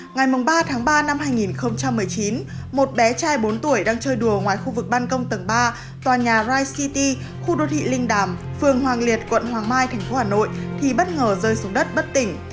ngày ba tháng ba năm hai nghìn một mươi chín một bé trai bốn tuổi đang chơi đùa ngoài khu vực ban công tầng ba tòa nhà rise city khu đô thị linh đàm phường hoàng liệt quận hoàng mai tp hà nội thì bất ngờ rơi xuống đất bất tỉnh